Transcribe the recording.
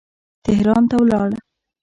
تهران ته ولاړ.